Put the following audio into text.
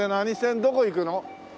どこ行くの？